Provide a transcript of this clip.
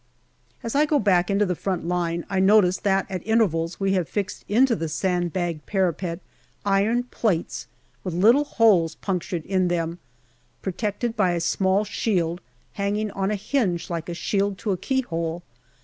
As I go back into the front line, I notice that at intervals we have fixed into the sand bagged parapet iron plates, with little holes punctured in them, protected by a small shield hanging on a hinge like the shield to a keyhole.